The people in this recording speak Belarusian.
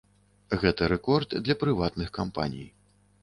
Гэта рэкорд для прыватных кампаній.